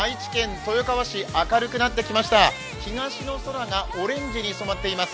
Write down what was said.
東の空がオレンジに染まっています。